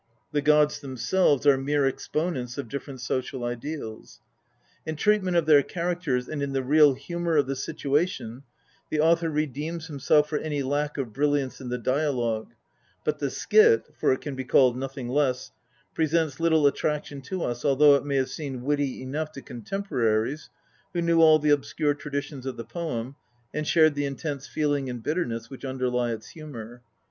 The gods themselves are mere exponents of different social ideals. In treatment of their characters and in the real humour of the situation the author redeems himself for any lack of brilliance in the dialogue, but the skit, for it can be called nothing less, presents little attraction to us, although it may have seemed witty enough to contemporaries, who knew all the obscure traditions of the poem, and shared the intense feeling and bitterness which underlie its humour.